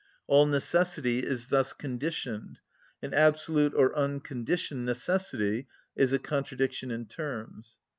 All necessity is thus conditioned, and absolute or unconditioned necessity is a contradiction in terms.